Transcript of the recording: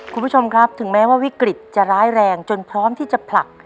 คุณผู้ชมครับถึงแม้ว่าวิกฤตจะร้ายแรงจนพร้อมที่จะผลัก